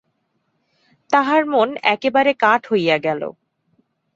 তাহার মন একেবারে কাঠ হইয়া গেল।